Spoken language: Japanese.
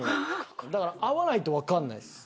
だから会わないと分からないです。